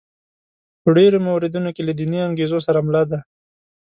په ډېرو موردونو کې له دیني انګېزو سره مله دي.